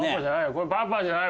これパパじゃない。